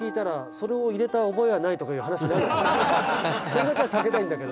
「それだけは避けたいんだけど」